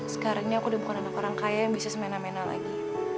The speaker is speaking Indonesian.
sekarang ini aku udah bukan anak orang kaya yang bisa semena mena lagi